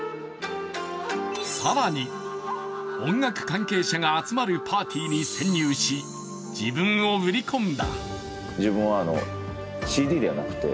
更に音楽関係者が集まるパーティーに潜入し自分を売り込んだ。